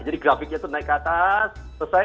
jadi grafiknya itu naik ke atas selesai